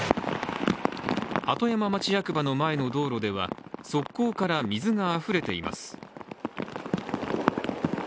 鳩山町役場の前の道路では側溝から水があふれています。